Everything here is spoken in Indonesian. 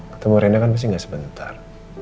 ketemu reina kan pasti gak sebentar